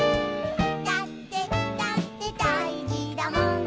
「だってだってだいじだもん」